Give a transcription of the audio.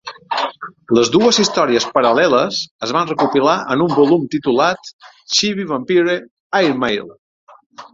Les dues històries paral·leles es van recopilar en un volum titulat "Chibi Vampire: Airmail".